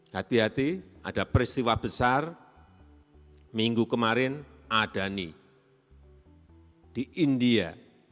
hati hati ada peristiwa besar minggu kemarin adani di india